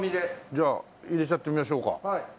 じゃあ入れちゃってみましょうか。